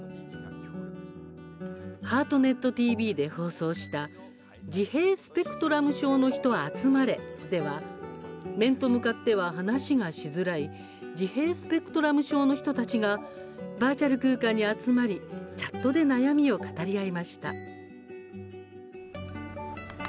「ハートネットＴＶ」で放送した「“自閉スペクトラム症”のひと集まれ！」では面と向かっては話がしづらい自閉スペクトラム症の人たちがバーチャル空間に集まりチャットで悩みを語り合いました。